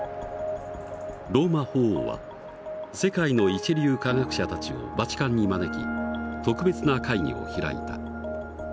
ローマ法王は世界の一流科学者たちをバチカンに招き特別な会議を開いた。